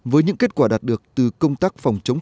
với những kết quả đạt được từ công tác